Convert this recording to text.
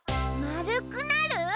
まるくなる？